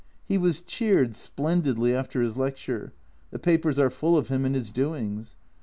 He was cheered splendidly after his lecture ; the papers are full of him and his doings.